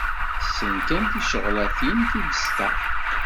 Tessen kan ticeɣlatin tibesṭaḥ.